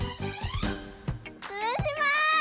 つぶします！